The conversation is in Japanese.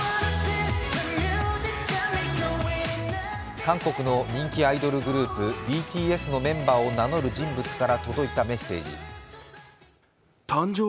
韓国の人気アイドルグループＢＴＳのメンバーを名乗る人物から届いたメッセージ。